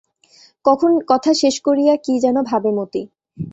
কথা শেষ করিয়া কী যেন ভাবে মতি।